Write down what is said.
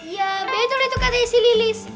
ya betul itu katanya isi lilis